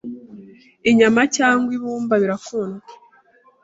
inyama cyangwa ibumba birakundwa